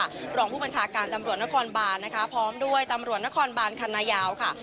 รองผู้บัญชาการตำรวจนครบานนะคะพร้อมด้วยตำรวจนครบานคันนายาวค่ะ